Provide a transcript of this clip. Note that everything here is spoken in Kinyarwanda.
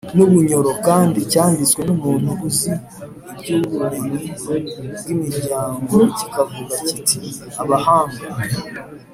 n’ubunyoro, kandi cyanditswe n’umuntu uzi iby’ubumenyi bw’imiryango kikavuga kiti:” abahanga